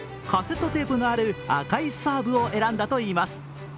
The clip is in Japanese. カセットテープがある赤いサーブを選んだといいます。